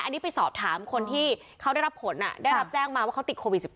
อันนี้ไปสอบถามคนที่เขาได้รับผลได้รับแจ้งมาว่าเขาติดโควิด๑๙